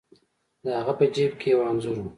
د هغه په جیب کې یو انځور و.